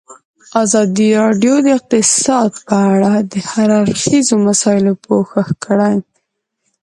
ازادي راډیو د اقتصاد په اړه د هر اړخیزو مسایلو پوښښ کړی.